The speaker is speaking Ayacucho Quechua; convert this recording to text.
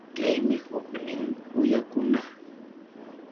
Kaymi huknin uyakuna.